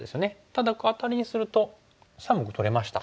ただアタリにすると３目取れました。